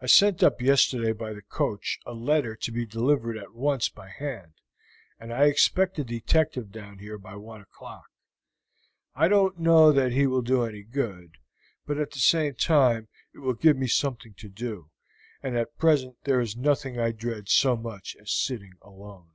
I sent up yesterday by the coach a letter to be delivered at once by hand, and I expect a detective down here by one o'clock. I don't know that he will do any good; but at the same time it will give me something to do, and at present there is nothing I dread so much as sitting alone.